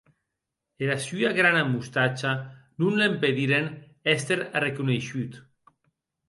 Era sua grana mostacha non l’empediren èster arreconeishut.